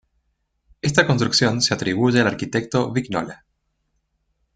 Esta construcción se atribuye al arquitecto Vignola.